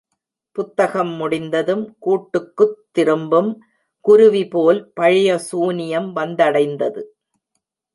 புத்தகம் முடிந்ததும் கூட்டுக்குத் திரும்பும் குருவிபோல் பழைய சூனியம் வந்தடைந்தது.